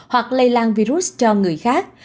hoặc lây lan virus cho người khác